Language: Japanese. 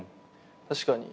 確かに。